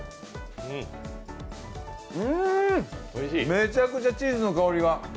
うーん、めちゃくちゃチーズの香りが。